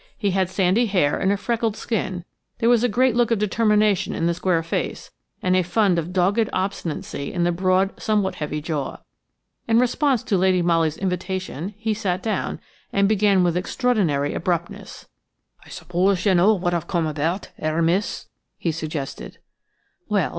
He had sandy hair and a freckled skin; there was a great look of determination in the square face and a fund of dogged obstinacy in the broad, somewhat heavy jaw. In response to Lady Molly's invitation he sat down and began with extraordinary abruptness: "I suppose you know what I have come about–er–miss?" he suggested. "Well!"